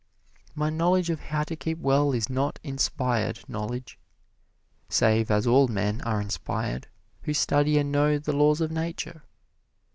My knowledge of how to keep well is not inspired knowledge, save as all men are inspired who study and know the Laws of Nature.